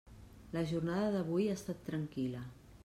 La jornada d'avui ha estat tranquil·la.